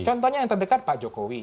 contohnya yang terdekat pak jokowi